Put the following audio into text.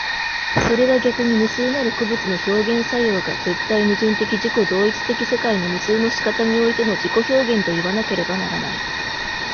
それは逆に無数なる個物の表現作用が絶対矛盾的自己同一的世界の無数の仕方においての自己表現といわなければならない。